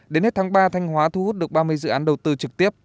đến hết tháng ba thanh hóa thu hút được ba mươi dự án đầu tư trực tiếp